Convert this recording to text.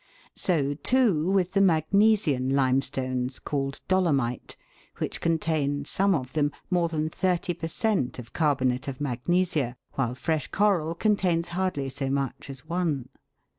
So, too, with the magnesian limestones, called dolomite, which contain, some of them, more than thirty per cent, of carbonate of magnesia, while fresh coral contains hardly so much as one.